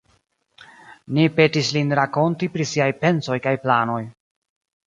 Ni petis lin rakonti pri siaj pensoj kaj planoj.